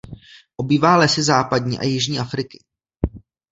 Obývá lesy západní a jižní Afriky.